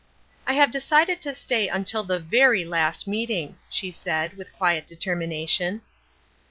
"I have decided to stay until the very last meeting," she said, with quiet determination.